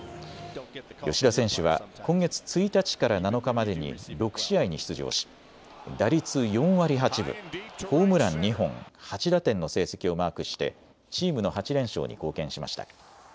吉田選手は今月１日から７日までに６試合に出場し打率４割８分、ホームラン２本、８打点の成績をマークしてチームの８連勝に貢献しました。